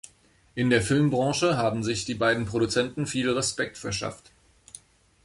In der Filmbranche haben sich die beiden Produzenten viel Respekt verschafft.